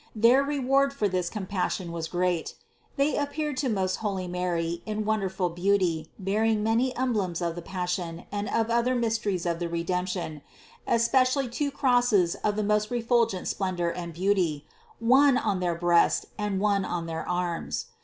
Their reward for this compassion was great. They appeared to most holy Mary in wonderful beauty, bearing many emblems of the Passion and of other mysteries of the Redemption, especially two crosses of the most refulgent splendor and beauty, one on their breast and one on their arms.